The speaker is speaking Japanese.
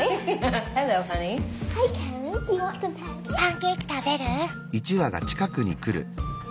パンケーキ食べる？